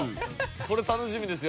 これ楽しみですよ。